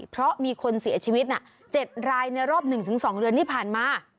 เพราะมีคนเสียชีวิต๗รายในรอบ๑๒เดือนที่ผ่านมา